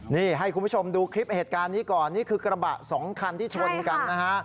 นี่ให้คุณผู้ชมดูคลิปเหตุการณ์นี้ก่อนนี่คือกระบะสองคันที่ชนกันนะฮะ